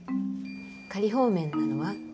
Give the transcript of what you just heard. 仮放免なのは？